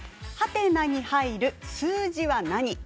「？」に入る数字は何？